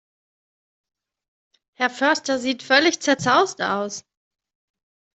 Herr Förster sieht völlig zerzaust aus.